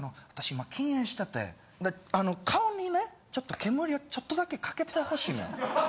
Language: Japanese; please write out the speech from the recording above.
今禁煙しててで顔にねちょっと煙をちょっとだけかけてほしいのよ。